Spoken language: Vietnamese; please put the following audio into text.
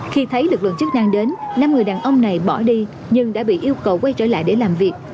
khi thấy lực lượng chức năng đến năm người đàn ông này bỏ đi nhưng đã bị yêu cầu quay trở lại để làm việc